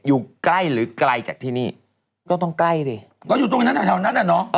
อยู่ใกล้หรือไกลจากที่นี่ก็ต้องใกล้ดิก็อยู่ตรงนั้นแถวนั้นอ่ะเนอะ